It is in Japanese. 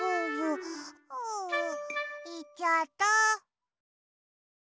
あいっちゃった。